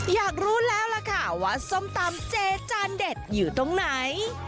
อยากรู้แล้วล่ะค่ะว่าส้มตำเจจานเด็ดอยู่ตรงไหน